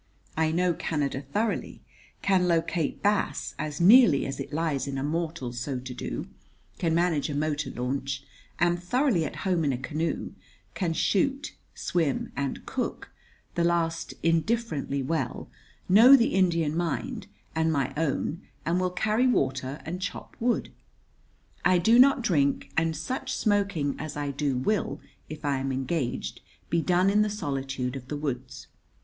I know Canada thoroughly; can locate bass, as nearly as it lies in a mortal so to do; can manage a motor launch; am thoroughly at home in a canoe; can shoot, swim, and cook the last indifferently well; know the Indian mind and my own and will carry water and chop wood. I do not drink, and such smoking as I do will, if I am engaged, be done in the solitude of the woods.